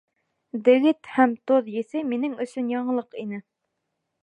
Дегет һәм тоҙ еҫе минең өсөн яңылыҡ ине.